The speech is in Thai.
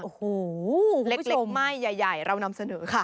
โอ้โฮคุณผู้ชมเล็กไม้ใหญ่เรานำเสนอค่ะ